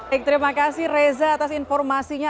baik terima kasih reza atas informasinya